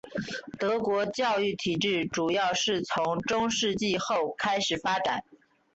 德国教育体制主要是从中世纪后开始发展。